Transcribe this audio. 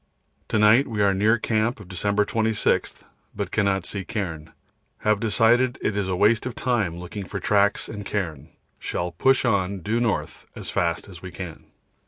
To night we are near camp of December 26, but cannot see cairn. Have decided it is waste of time looking for tracks and cairn, and shall push on due north as fast as we can.